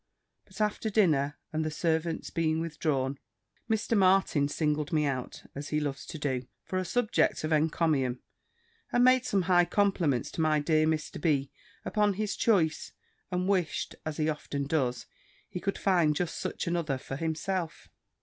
But after dinner, and the servants being withdrawn, Mr. Martin singled me out, as he loves to do, for a subject of encomium, and made some high compliments to my dear Mr. B. upon his choice; and wished (as he often does), he could find just such another for himself.